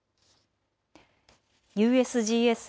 ＵＳＧＳ